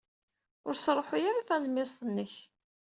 Ur sṛuḥuy ara talemmiẓt-nnek.